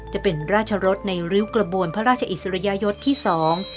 จะเป็นราชรสในริ้วกระบวนพระราชอิสริยยศที่สอง